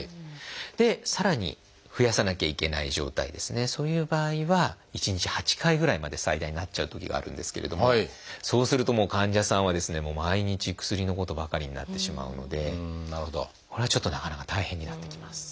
でさらに増やさなきゃいけない状態ですねそういう場合は１日８回ぐらいまで最大なっちゃうときがあるんですけれどもそうするともう患者さんはですね毎日薬のことばかりになってしまうのでこれはちょっとなかなか大変になってきます。